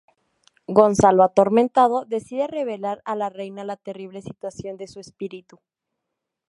Gonzalo, atormentado, decide revelar a la Reina la terrible situación de su espíritu.